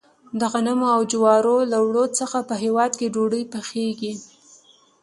د غنمو او جوارو له اوړو څخه په هیواد کې ډوډۍ پخیږي.